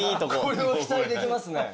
これは期待できますね。